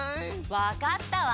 わかったわ。